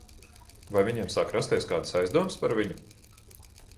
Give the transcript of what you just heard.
Vai viņiem sāk rasties kādas aizdomas par viņu?